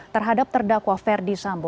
terhadap terdakwa ferdi sambo